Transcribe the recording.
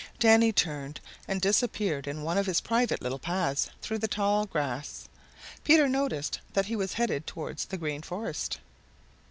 Danny turned and disappeared in one of his private little paths though the tall grass. Peter noticed that he was headed towards the Green Forest.